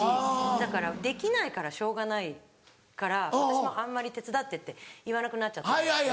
だからできないからしょうがないから私もあんまり「手伝って」って言わなくなっちゃったんですけど。